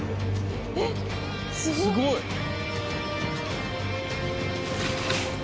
えっすごっ！